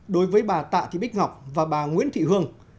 đối với bà tạ thị bích ngọc và bà nguyễn thị hương